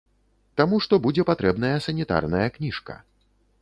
Таму што будзе патрэбная санітарная кніжка.